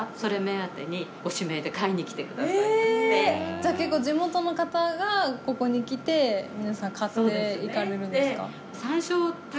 じゃあ結構地元の方がここに来て皆さん買っていかれるんですか。